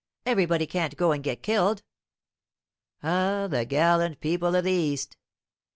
Everybody can't go and get killed." "Ah, the gallant people of the East!"